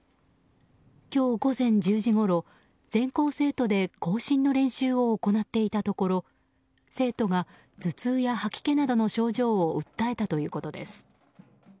今日午前１０時ごろ全校生徒で行進の練習を行っていたところ生徒が頭痛や吐き気などの症状を訴えたということです。